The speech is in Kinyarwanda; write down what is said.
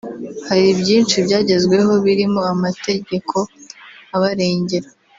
Hari byinshi byagezweho birimo amategeko abarengera